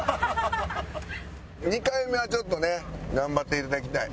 ２回目はちょっとね頑張って頂きたい。